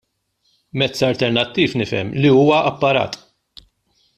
Mezz alternattiv nifhem li huwa apparat.